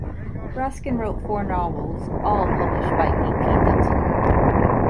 Raskin wrote four novels, all published by E. P. Dutton.